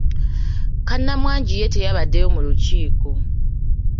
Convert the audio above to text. Kannamwangi ye teyabaddeyo mu lukiiko.